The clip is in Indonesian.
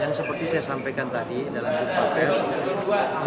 yang seperti saya sampaikan tadi dalam tuk pab